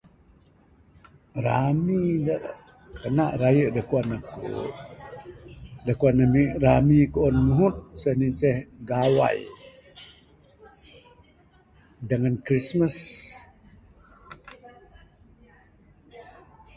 Rami da kana raye da kuan aku, da kuan ami rami kuon nguhut sien incheh gawai, dengan christmas.